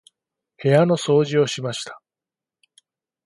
部屋の掃除をしました。